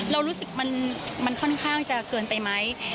เรารู้สึกมันค่อนข้างจะเกินไปไหม